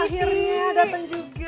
akhirnya datang juga